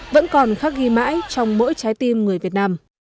vẫn còn khắc ghi mãi trong mỗi trái tim người việt nam